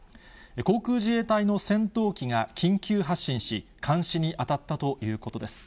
航空自衛隊の戦闘機が緊急発進し、監視に当たったということです。